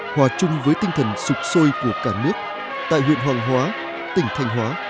hòa chung với tinh thần sụp sôi của cả nước tại huyện hoàng hóa tỉnh thanh hóa